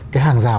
cái hàng rào